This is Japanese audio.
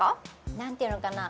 何ていうのかな